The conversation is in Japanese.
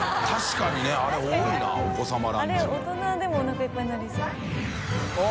あれ大人でもおなかいっぱいになりそう。